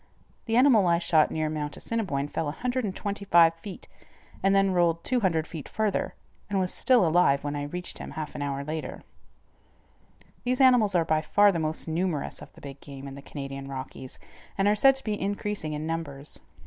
The animal I shot near Mount Assiniboine fell 125 feet, and then rolled 200 feet farther, and was still alive when I reached him half an hour later. These animals are by far the most numerous of the big game in the Canadian Rockies, and are said to be increasing in numbers.